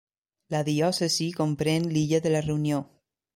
La diòcesi comprèn l'illa de la Reunió.